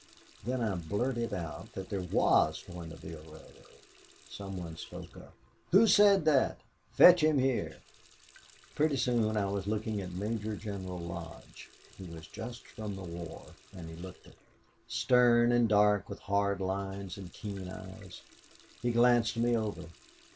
"Then I blurted out that there WAS going to be a railroad. Some one spoke up: 'Who said that? Fetch him here.' Pretty soon I was looking at Major General Lodge. He was just from the war and he looked it. Stern and dark, with hard lines and keen eyes. He glanced me over.